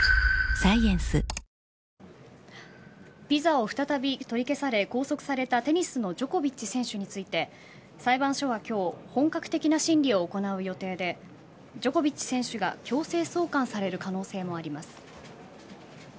ビザを再び取り消され拘束されたテニスのジョコビッチ選手について裁判所は今日本格的な審理を行う予定でジョコビッチ選手が強制送還される可能性もあります。